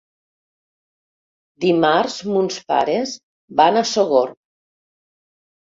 Dimarts mons pares van a Sogorb.